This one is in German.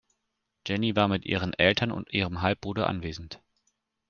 Jenny war mit ihren Eltern und ihrem Halbbruder anwesend.